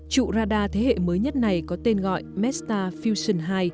trụ radar thế hệ mới nhất này có tên gọi mesta fusion hai